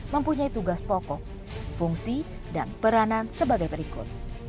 mempunyai tugas pokok fungsi dan peranan sebagai berikut